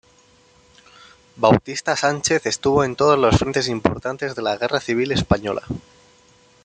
Bautista Sánchez estuvo en todos los frentes importantes de la Guerra Civil Española.